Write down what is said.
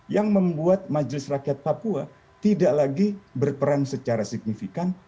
yang membuat majelis rakyat papua tidak lagi berperan secara signifikan